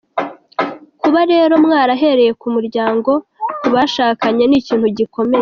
Kuba rero mwarahereye ku muryango, ku bashakanye, ni ikintu gikomeye.